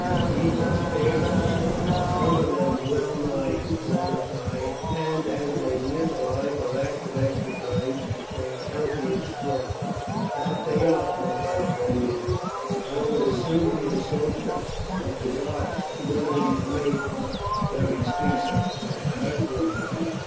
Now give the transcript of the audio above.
These are fair and tall, some of them well nigh as tall as I, and as they live a life of active exercise, they are healthy and strong." "That they are," Pollio broke in. "I would as soon meet a soldier of the Goths as one of these maidens Beric speaks of, when her blood is up.